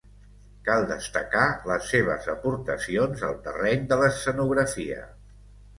Cal destacar les seves aportacions al terreny de l'escenografia.